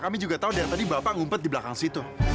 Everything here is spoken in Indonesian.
kami juga tahu dari tadi bapak ngumpet di belakang situ